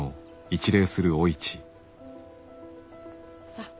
さあ。